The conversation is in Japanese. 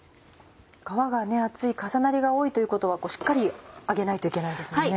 皮が厚い重なりが多いということはしっかり揚げないといけないですもんね。